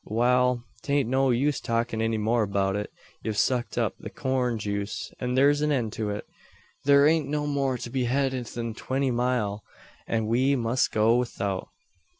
"Wal; 'tain't no use talkin' any more beout it. Ye've sucked up the corn juice, an thur's an end o't. Thur ain't no more to be hed 'ithin twenty mile, an we must go 'ithout."